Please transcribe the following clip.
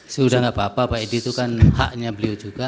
sudah tidak apa apa pak edi itu kan haknya beliau juga